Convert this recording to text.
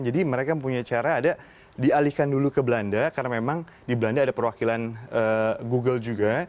jadi mereka punya cara ada dialihkan dulu ke belanda karena memang di belanda ada perwakilan google juga